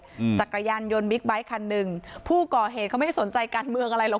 จักรยานยนต์บิ๊กไบท์คันหนึ่งผู้ก่อเหตุเขาไม่ได้สนใจการเมืองอะไรหรอก